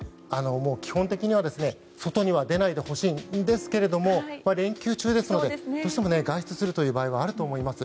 基本的には外には出ないでほしいんですけど連休中ですのでどうしても外出する場合もあると思います。